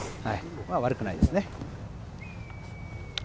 悪くないですね。